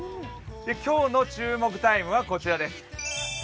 今日の注目タイムはこちらです。